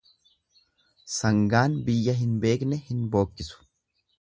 Sangaan biyya hin beekne hin bookkisu.